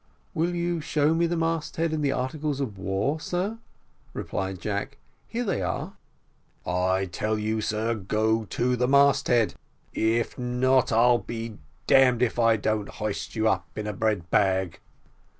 "Will you show me the mast head in the articles of war, sir," replied Jack; "here they are." "I tell you, sir, to go to the mast head if not, I'll be damned if I don't hoist you up in a bread bag."